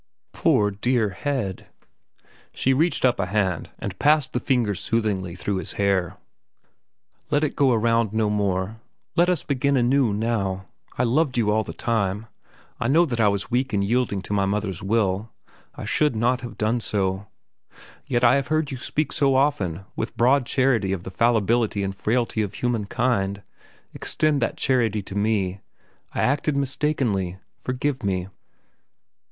"Poor, dear head." She reached up a hand and passed the fingers soothingly through his hair. "Let it go around no more. Let us begin anew, now. I loved you all the time. I know that I was weak in yielding to my mother's will. I should not have done so. Yet I have heard you speak so often with broad charity of the fallibility and frailty of humankind. Extend that charity to me. I acted mistakenly. Forgive me."